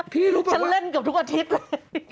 พี่รู้ป่ะว่าฉันเล่นเกือบทุกอาทิตย์เลย